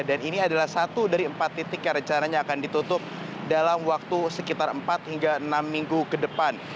dan ini adalah satu dari empat titik yang rencananya akan ditutup dalam waktu sekitar empat hingga enam minggu ke depan